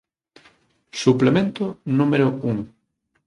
Suplemento número un.